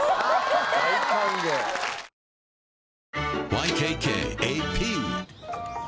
ＹＫＫＡＰ